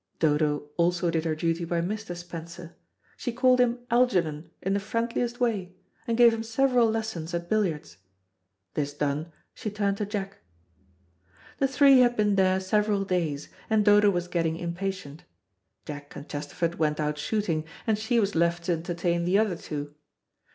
Dodo also did her duty by Mr. Spencer. She called him Algernon in the friendliest way, and gave him several lessons at billiards. This done, she turned to Jack. The three had been there several days, and Dodo was getting impatient. Jack and Chesterford went out shooting, and she was left to entertain the other two.